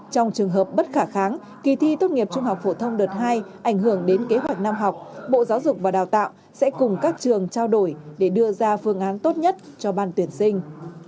trong trường hợp bất khả kháng kỳ thi tốt nghiệp trung học phổ thông đợt hai ảnh hưởng đến kế hoạch năm học bộ giáo dục và đào tạo sẽ cùng các trường trao đổi để đưa ra phương án tốt nhất cho ban tuyển sinh